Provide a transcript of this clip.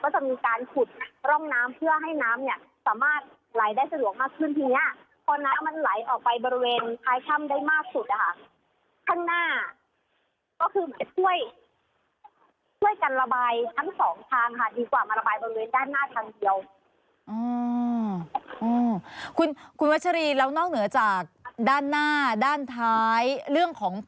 ก็จะมีการขุดร่องน้ำเพื่อให้น้ำเนี่ยสามารถไหลได้สะดวกมากขึ้นทีเนี่ย